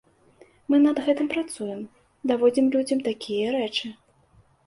Мы над гэтым працуем, даводзім людзям такія рэчы.